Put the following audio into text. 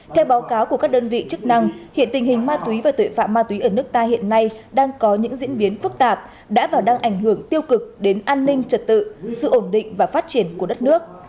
theo báo cáo của các đơn vị chức năng hiện tình hình ma túy và tội phạm ma túy ở nước ta hiện nay đang có những diễn biến phức tạp đã và đang ảnh hưởng tiêu cực đến an ninh trật tự sự ổn định và phát triển của đất nước